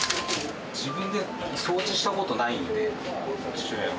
自分で掃除したことないので、父親は。